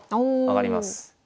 上がります。